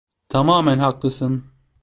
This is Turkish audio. Tamamen haklısın.